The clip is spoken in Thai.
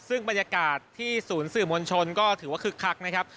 ซึ่งบรรยากาศที่ศูนย์สื่อมวลชนก็ถือว่าคึกคักนะครับ